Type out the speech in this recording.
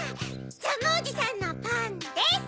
ジャムおじさんのパンです。